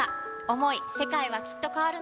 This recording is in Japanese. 想い世界は、きっと変わる。